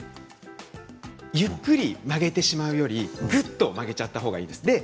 ゆっくり曲げてしまうよりぐっと曲げてしまったほうがいいですね。